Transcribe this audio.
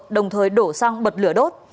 đồng thời đổ xăng bật lửa đốt